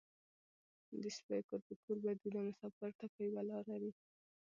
ـ د سپيو کور په کور بدي ده مسافر ته په يوه لار وي.